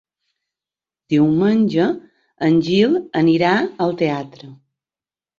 Diumenge en Gil anirà al teatre.